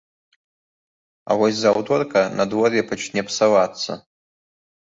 А вось з аўторка надвор'е пачне псавацца.